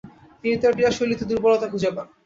তিনি তার ক্রীড়াশৈলীতে দূর্বলতা খুঁজে পান।